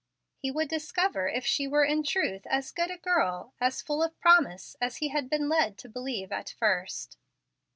He would discover if she were in truth as good a girl as full of promise as he had been led to believe at first.